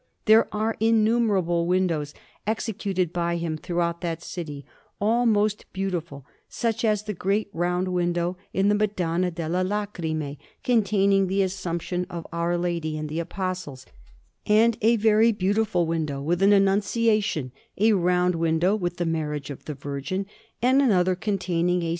There are innumerable windows executed by him throughout that city, all most beautiful, such as the great round window in the Madonna delle Lacrime, containing the Assumption of Our Lady and the Apostles, and a very beautiful window with an Annunciation; a round window with the Marriage of the Virgin, and another containing a S.